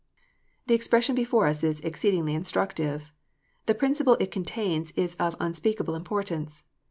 The expression before us is exceedingly instructive. The principle it contains is of unspeakable importance.